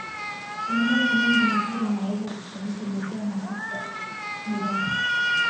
kuna mambo mengi mazuri yanayoweza kustawisha biashara na sekta binafsi